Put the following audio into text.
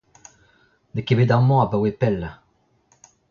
N'eo ket bet amañ abaoe pell.